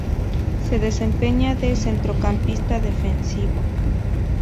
Se desempeña de centrocampista defensivo.